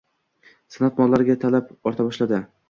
Sanoat mollariga talab orta boshladi